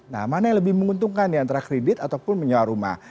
nah mana yang lebih menguntungkan antara kredit ataupun menyewa rumah